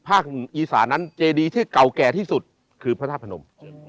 อีสานั้นเจดีที่เก่าแก่ที่สุดคือพระธาตุพนม